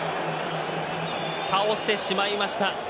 倒してしまいました。